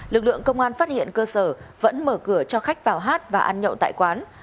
lực lượng công an phát hiện cơ sở vẫn mở cửa cho khách vào hát và ăn nhậu tại quán